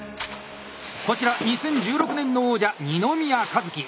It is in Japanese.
こちら２０１６年の王者二ノ宮和喜。